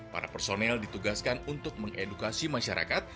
para personel ditugaskan untuk mengedukasi masyarakat